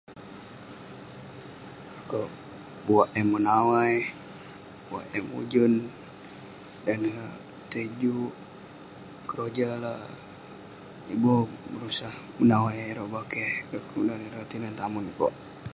Akouk buwak eh menawai, buwak eh mujen dan neh tai juk..keroja la..yeng iboh berusah menawai ireh bakeh, ireh kelunan, tinen tamen kok..